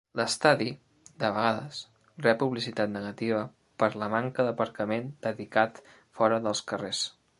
L'estadi, de vegades, rep publicitat negativa per la manca d'aparcament dedicat fora dels carrers.